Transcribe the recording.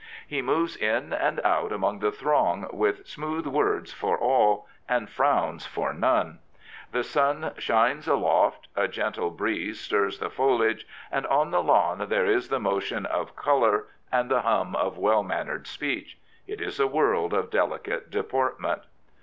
He moves in and out among the throng with smooth words for all, and frowns for none. The sun shines aloft, a gentle breeze stirs the foliage, and on the lawn there is the motion of colour and the hum of well mannered speech. It is a world of delicate deportment.